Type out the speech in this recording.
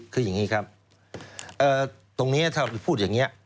คืออย่างนี้ครับตรงนี้ถ้าพูดอย่างนี้